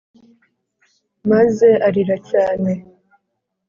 maze arira cyane;